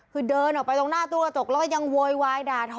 คือเดินออกไปตรงหน้าตู้กระจกแล้วก็ยังโวยวายด่าทอ